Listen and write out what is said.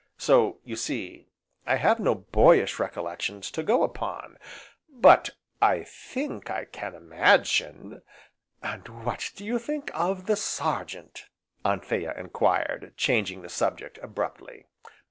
So, you see, I have no boyish recollections to go upon, but I think I can imagine " "And what do you think of the Sergeant?" Anthea enquired, changing the subject abruptly.